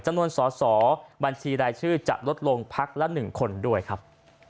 จำนวนสอสอบัญชีรายชื่อจะลดลงพักละ๑คนด้วยครับ